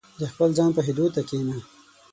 • د خپل ځان پوهېدو ته کښېنه.